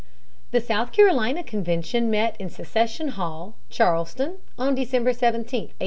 The South Carolina convention met in Secession Hall, Charleston, on December 17, 1860.